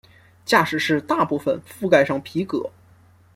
驾驶室大部份覆盖上皮革。